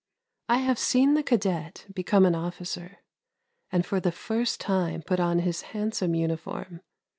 " I have seen the cadet become an officer, and for the first time put on his handsome uniform.